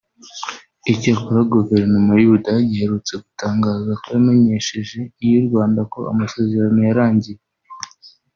Icyakora guverinoma y’u Budage iherutse gutangaza ko yamenyesheje iy’u Rwanda ko amasezerano yarangiye